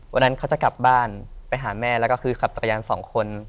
วันนั้นเขาจะกลับบ้านไปหาแม่แล้วก็คือขับจักรยานสองคน